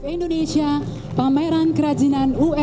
indonesia pameran kerajinan umkm